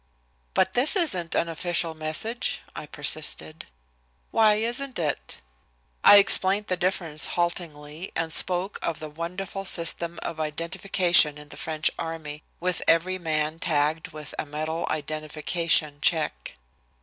"But this isn't an official message," I persisted. "Why isn't it?" I explained the difference haltingly, and spoke of the wonderful system of identification in the French army, with every man tagged with a metal identification check.